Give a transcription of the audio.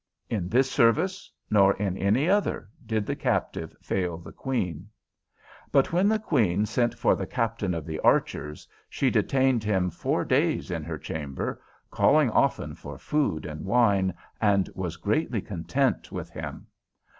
In this service nor in any other did the Captive fail the Queen. But when the Queen sent for the Captain of the Archers, she detained him four days in her chamber, calling often for food and wine, and was greatly content with him.